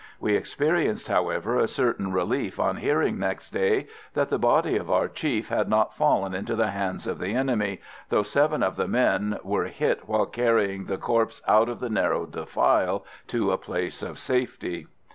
We experienced, however, a certain relief on hearing next day that the body of our chief had not fallen into the hands of the enemy, though seven of the men were hit while carrying the corpse out of a narrow defile to a place of safety.